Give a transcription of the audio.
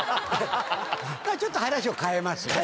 ちょっと話を変えますが。